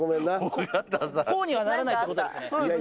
こうにはならないってこと。